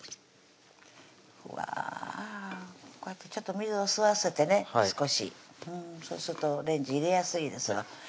うわぁこうやってちょっと水を吸わせてね少しそうするとレンジ入れやすいですわ